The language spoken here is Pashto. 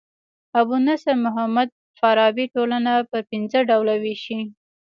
ابو نصر محمد فارابي ټولنه پر پنځه ډوله ويشي.